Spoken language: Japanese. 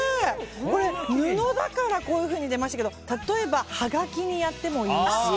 これ、布だからこういうふうに出ましたけど例えば、はがきにやってもいいし。